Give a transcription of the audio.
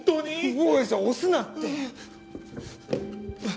おお押すなって！